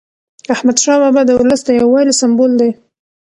احمدشاه بابا د ولس د یووالي سمبول دی.